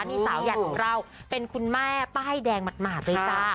นี่สาวใหญ่ของเราเป็นคุณแม่ป้ายแดงหมาดเลยจ้า